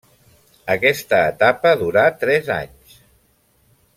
Aquesta etapa durà tres anys.